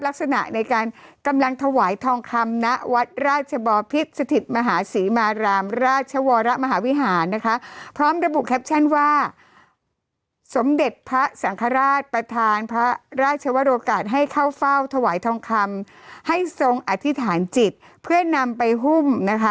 ราชวรมหาวิหารนะคะพร้อมระบุแคปชั่นว่าสมเด็จพระสังฆราชประธานพระราชวรกาศให้เข้าเฝ้าถวายทองคำให้ทรงอธิษฐานจิตเพื่อนำไปหุ้มนะคะ